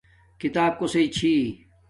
کھیتاپ کوسݵ چھی